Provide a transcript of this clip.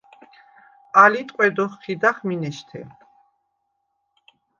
ალი ტყვედ ოხჴიდახ მინეშთე.